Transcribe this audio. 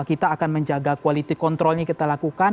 kita akan menjaga quality controlnya kita lakukan